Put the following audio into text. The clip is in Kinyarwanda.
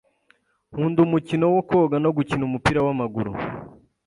Nkunda umukino wo koga no gukina umupira w’amaguru